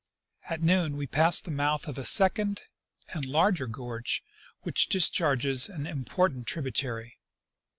At noon we passed the mouth of a second and larger gorge, which discharges an important tributary.